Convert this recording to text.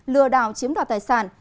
lừa đảo chiếm đoạt thu phí